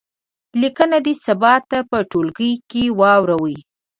لیکنه دې سبا ته په ټولګي کې واوروي.